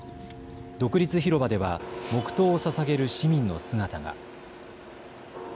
独立広場では黙とうをささげる市民の姿が。